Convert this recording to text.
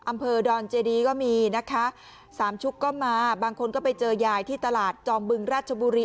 อำเภอดอนเจดีก็มีนะคะสามชุกก็มาบางคนก็ไปเจอยายที่ตลาดจอมบึงราชบุรี